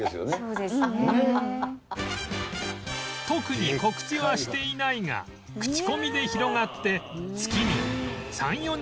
特に告知はしていないが口コミで広がって